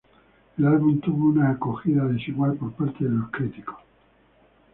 El álbum tuvo una acogida desigual por parte de los críticos.